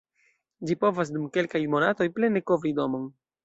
Ĝi povas dum kelkaj monatoj plene kovri domon.